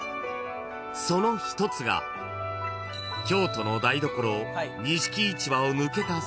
［その１つが京都の台所錦市場を抜けた先にある］